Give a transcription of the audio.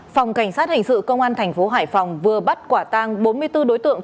phòng cảnh sát hành sự công an tp hải phòng vừa bắt quả tang bốn mươi bốn đối tượng